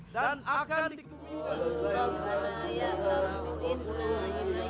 dan akan dikutuk